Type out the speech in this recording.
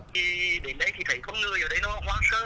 thì đến đây thì thấy con người ở đây nó hoang sơ